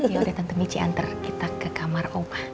yaudah tante michi antar kita ke kamar oma